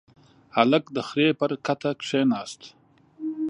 هلک د خرې پر کته کېناست.